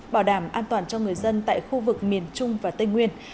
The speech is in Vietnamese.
bảo đảm an toàn cho người dân tại khu vực miền trung và tây nguyên